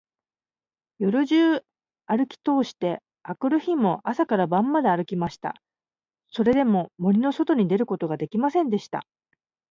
夜中じゅうあるきとおして、あくる日も朝から晩まであるきました。それでも、森のそとに出ることができませんでした。